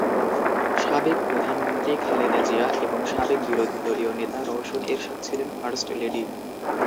সাবেক প্রধানমন্ত্রী খালেদা জিয়া এবং সাবেক বিরোধীদলীয় নেতা রওশন এরশাদ ছিলেন ফার্স্ট লেডি।